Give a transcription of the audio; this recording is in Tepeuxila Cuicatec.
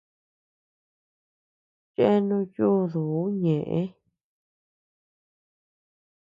Cheanu yúduu ñeʼë.